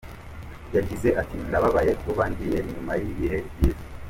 Yagize ati “Ndababaye kuba ngiye nyuma y’ibihe byiza.